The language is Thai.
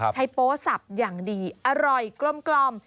โป๊สับอย่างดีอร่อยกลม